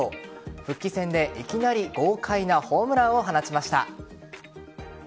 復帰戦でいきなり豪快なホームランを放ちました。